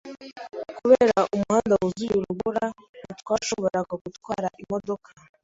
Kubera umuhanda wuzuye urubura, ntitwashoboraga gutwara imodoka.